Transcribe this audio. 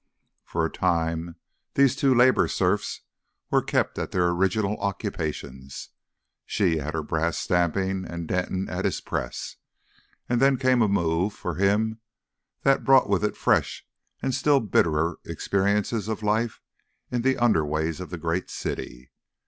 For a time these two Labour Serfs were kept at their original occupations, she at her brass stamping and Denton at his press; and then came a move for him that brought with it fresh and still bitterer experiences of life in the underways of the great city.